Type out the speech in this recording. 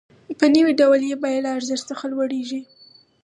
په نوي ډول یې بیه له ارزښت څخه لوړېږي